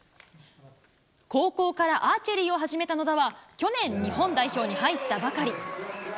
高校からアーチェリーを始めた野田は、去年、日本代表に入ったばかり。